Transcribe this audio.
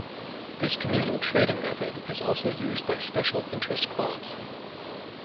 This communal trading method is also used by special interest clubs.